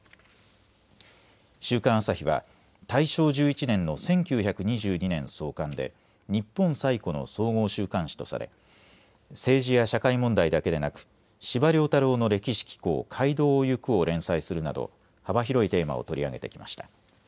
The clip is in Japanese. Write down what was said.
週刊朝日は大正１１年の１９２２年創刊で日本最古の総合週刊誌とされ政治や社会問題だけでなく司馬遼太郎の歴史紀行、街道をゆくを連載するなど幅広いテーマを取り上げてきました。